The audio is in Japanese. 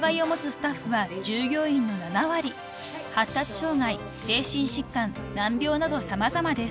［発達障害精神疾患難病など様々です］